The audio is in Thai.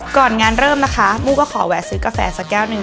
ก่อนงานเริ่มนะคะมู้ก็ขอแวะซื้อกาแฟสักแก้วหนึ่ง